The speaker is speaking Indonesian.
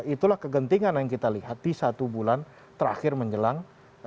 itulah kegentingan yang kita lihat di satu bulan terakhir menjelang